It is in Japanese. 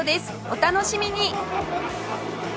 お楽しみに！